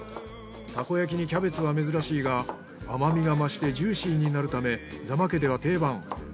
たこ焼きにキャベツは珍しいが甘みが増してジューシーになるため座間家では定番。